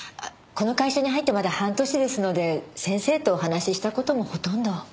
この会社に入ってまだ半年ですので先生とお話しした事もほとんど。